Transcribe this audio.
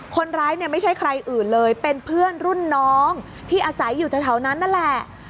คนร้ายเนี่ยไม่ใช่ใครอื่นเลยเป็นเพื่อนรุ่นน้องที่อาศัยอยู่แถวนั้นนั่นแหละ